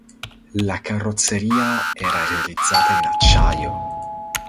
La carrozzeria era realizzata in acciaio.